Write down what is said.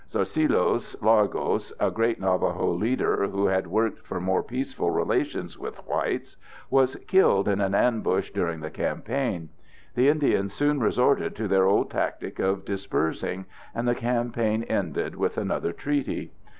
Zarcillos Largos, a great Navajo leader who had worked for more peaceful relations with whites, was killed in an ambush during the campaign. The Indians soon resorted to their old tactic of dispersing, and the campaign ended with another treaty.